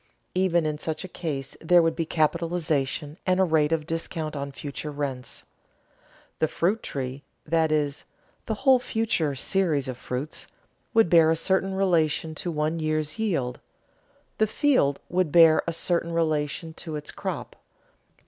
Even in such a case there would be capitalization and a rate of discount on future rents. The fruit tree (that is, the whole future series of fruits) would bear a certain relation to one year's yield; the field would bear a certain relation to its crop.